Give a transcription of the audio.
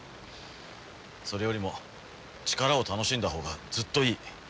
それよりも力を楽しんだほうがずっといい。